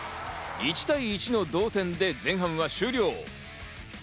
１対１の同点で前半は終了。